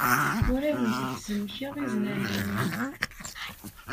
Ur awent-d-zemmkeɣ iznan-nni.